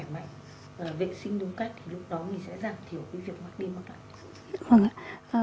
lúc đó mình sẽ giảm thiểu cái việc mắc đi mắc lại